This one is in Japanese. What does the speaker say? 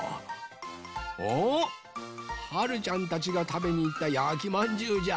おっはるちゃんたちがたべにいったやきまんじゅうじゃ。